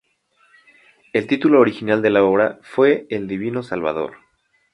El título original de la obra fue "El divino salvador.